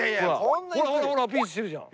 ほらほらほらピースしてるじゃん。